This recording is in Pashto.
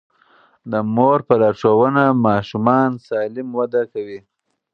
د مور په لارښوونه ماشومان سالم وده کوي.